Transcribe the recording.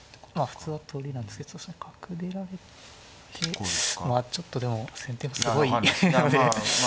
普通は取りなんですけどそうすると角出られてまあちょっとでも先手もすごいので。